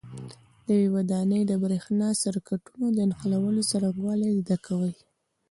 د یوې ودانۍ د برېښنا سرکټونو د نښلولو څرنګوالي زده کوئ.